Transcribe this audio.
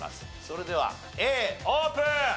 それではＡオープン！